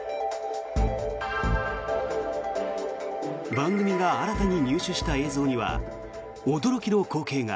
番組が新たに入手した映像には驚きの光景が。